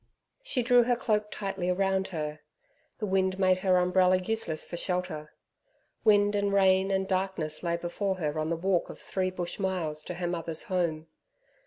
She drew her cloak tightly round her. The wind made her umbrella useless for shelter. Wind and rain and darkness lay before her on the walk of three bush miles to her mother's home.